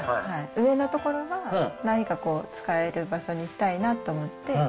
上の所は、何かこう使える場所にしたいなと思って。